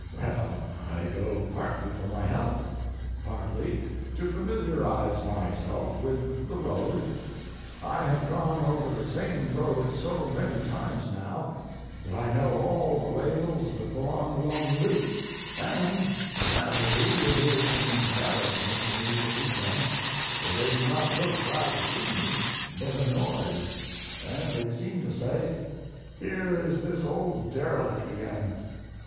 Well, I go partly for my health, partly to familiarize myself with the road. I have gone over the same road so many times now that I know all the whales that belong along the route, and latterly it is an embarrassment to me to meet them, for they do not look glad to see me, but annoyed, and they seem to say: "Here is this old derelict again."